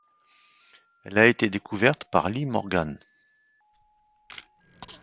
Elle a été découverte par Lee Morgan.